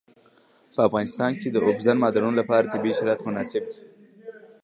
په افغانستان کې د اوبزین معدنونه لپاره طبیعي شرایط مناسب دي.